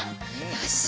よし。